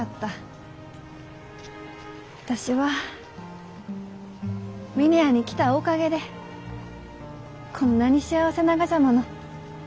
私は峰屋に来たおかげでこんなに幸せながじゃもの。